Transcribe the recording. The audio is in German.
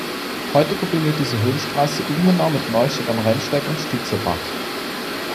Heute verbindet diese Höhenstraße Ilmenau mit Neustadt am Rennsteig und Stützerbach.